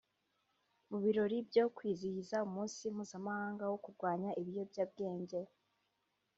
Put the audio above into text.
mu birori byo kwiziziha umunsi mpuzamahanga wo kurwanya ibiyobyabwenge